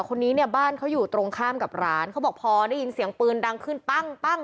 คนนี้เนี่ยบ้านเขาอยู่ตรงข้ามกับร้านเขาบอกพอได้ยินเสียงปืนดังขึ้นปั้งปั้ง